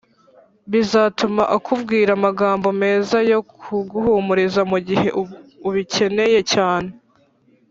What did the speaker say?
bizatuma akubwira amagambo meza yo kuguhumuriza mu gihe ubikeneye cyane